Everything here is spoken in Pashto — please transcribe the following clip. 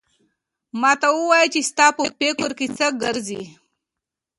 ما ته وایه چې ستا په فکر کې څه ګرځي؟